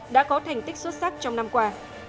đã có thành tích xuất sắc trong năm qua